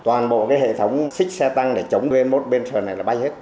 toàn bộ cái hệ thống xích xe tăng để chống đuôi mốt bên sờ này là bay hết